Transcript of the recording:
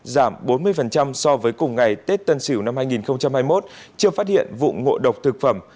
giảm bốn mươi so với cùng ngày tết tân sửu năm hai nghìn hai mươi một chưa phát hiện vụ ngộ độc thực phẩm